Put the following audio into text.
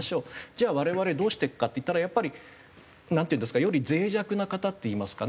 じゃあ我々どうしていくかっていったらやっぱりなんていうんですかより脆弱な方っていいますかね